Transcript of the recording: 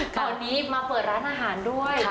ตอนนี้มาเปิดร้านอาหารด้วย